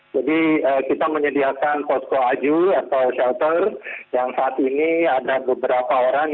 jadi kita menyediakan posko aju atau shelter yang saat ini ada beberapa orang